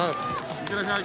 いってらっしゃい。